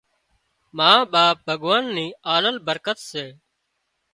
ما ٻاپ ڀڳوان ني آلل برڪت سي